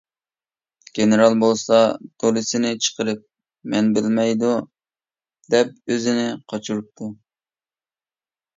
گېنېرال بولسا دولىسىنى چىقىرىپ: «مەن بىلمەيدۇ» دەپ ئۆزىنى قاچۇرۇپتۇ.